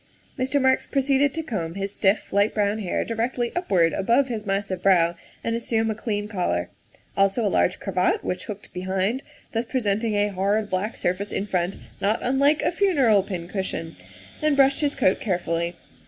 Mr. Marks proceeded to comb his stiff, light brown hair directly upward above his massive brow and assume a clean collar ; also a large cravat which hooked behind, thus presenting a hard, black surface in front, not unlike a funereal pincushion, and brushed his coat carefully.